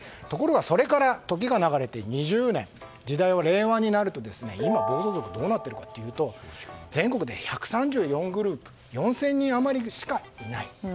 ところが、それから時が流れて２０年時代が令和になると今、暴走族はどうなっているかというと全国で１３４グループ４０００人余りしかいない。